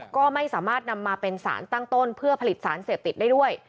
ก็ไม่สามารถนำมาเป็นสารตั้งต้นเพื่อผลิตสารเสพติดได้ด้วย